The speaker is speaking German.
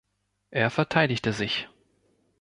Er verteidigte sich.